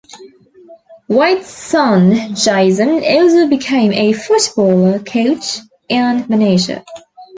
Withe's son, Jason, also became a footballer, coach and manager.